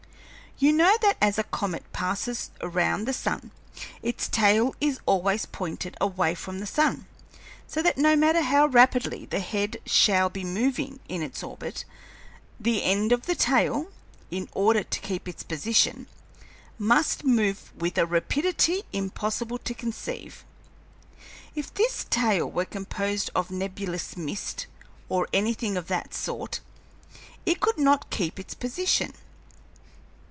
You know that as a comet passes around the sun, its tail is always pointed away from the sun, so that no matter how rapidly the head shall be moving in its orbit, the end of the tail in order to keep its position must move with a rapidity impossible to conceive. If this tail were composed of nebulous mist, or anything of that sort, it could not keep its position.